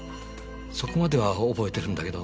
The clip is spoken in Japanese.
そこまでは覚えてるんだけど。